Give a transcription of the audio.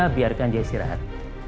biarkan dia istirahat